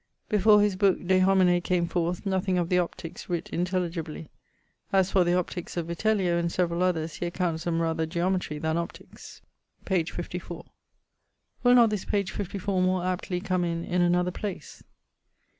'Before his booke De Homine came forth, nothing of the optiques writt intelligibly. As for the Optiques of Vitellio, and several others, he accounts them rather geometry than optiques.' p. 54. [Will not this p. 54 more aptly come in in another place?